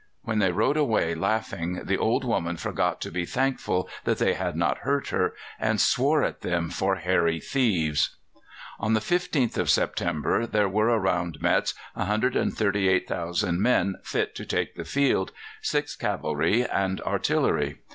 When they rode away laughing, the old woman forgot to be thankful that they had not hurt her, and swore at them for hairy thieves. On the 15th of September there were around Metz 138,000 men fit to take the field, 6,000 cavalry and artillery.